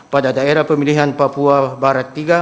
pada daerah pemilihan papua barat tiga